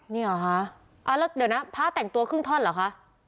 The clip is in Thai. นี่เหรอคะแล้วเดี๋ยวนะพระแต่งตัวครึ่งท่อนเหรอคะ